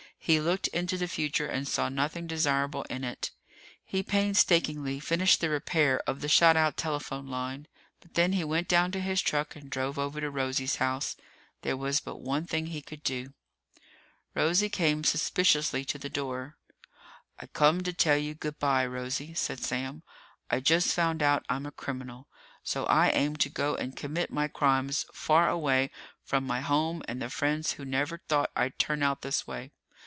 He looked into the future and saw nothing desirable in it. He painstakingly finished the repair of the shot out telephone line, but then he went down to his truck and drove over to Rosie's house. There was but one thing he could do. Rosie came suspiciously to the the door. "I come to tell you good by, Rosie," said Sam. "I just found out I'm a criminal, so I aim to go and commit my crimes far away from my home and the friends who never thought I'd turn out this way.